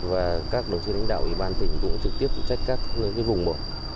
và các đồng chí lãnh đạo ủy ban tỉnh cũng trực tiếp phụ trách các vùng một